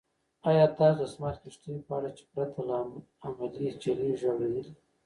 ایا تاسو د سمارټ کښتیو په اړه چې پرته له عملې چلیږي اورېدلي؟